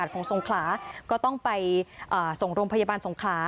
ของทรงคลาก็ต้องไปอ่าส่งโรงพยาบาลทรงคลา